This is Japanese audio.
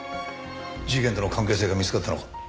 事件との関係性が見つかったのか？